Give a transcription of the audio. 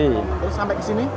terus sampai kesini